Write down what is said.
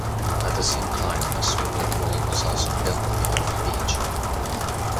At the same time a swimming pool was also built behind the beach.